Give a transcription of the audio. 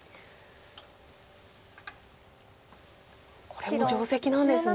これも定石なんですね。